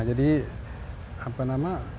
jadi apa nama